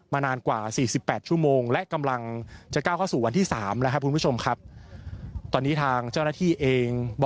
นานกว่า๔๘ชั่วโมงและกำลังจะก้าวเข้าสู่วันที่๓แล้วครับคุณผู้ชมครับ